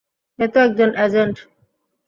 এ তো একজন অ্যাজেন্ট!